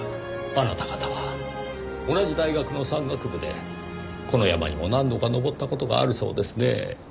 あなた方は同じ大学の山岳部でこの山にも何度か登った事があるそうですねぇ。